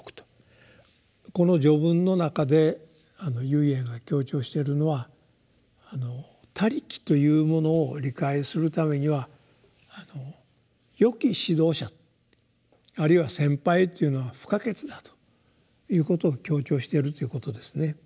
この「序文」の中で唯円が強調してるのは「他力」というものを理解するためにはよき指導者あるいは先輩というのは不可欠だということを強調しているということですね。